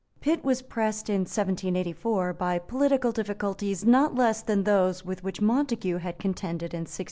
Pitt was pressed in 1784 by political difficulties not less than those with which Montague had contended in 1698.